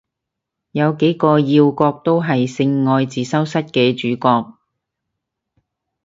有幾個要角都係性愛自修室嘅主角